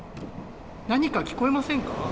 何か聞こえませんか？